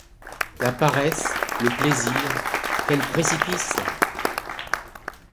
La paresse, le plaisir, quels précipices!